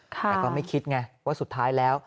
แต่ก็ไม่คิดไงว่าสุดท้ายแล้ว